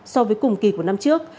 so với cùng kỳ của năm trước